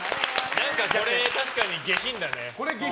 何かこれ、確かに下品だね。